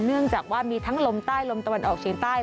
เนื่องจากว่ามีทั้งลมใต้ลมตะวันออกเฉียงใต้